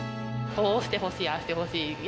「こうしてほしいああしてほしい」